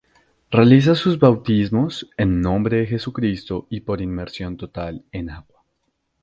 Realiza sus bautismos en nombre de Jesucristo y por inmersión total en agua.